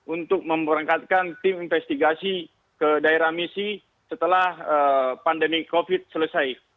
untuk memerangkatkan tim investigasi ke daerah misi setelah pandemi covid sembilan belas selesai